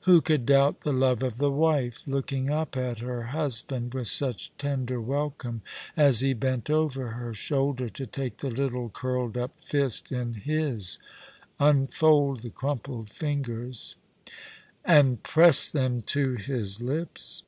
Who could doubt the love of the wife, looking up at her husband with such tender welcome as he bent over her shoulder to take the little curled up fist in his, unfold the crumpled fingers, and press them to his lips